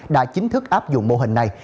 đã chính thức áp dụng mô hình này